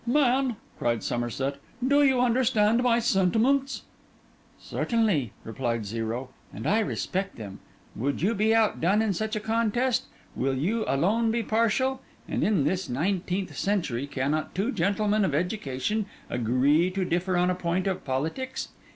'Man!' cried Somerset, 'do you understand my sentiments?' 'Certainly,' replied Zero; 'and I respect them! Would you be outdone in such a contest? will you alone be partial? and in this nineteenth century, cannot two gentlemen of education agree to differ on a point of politics?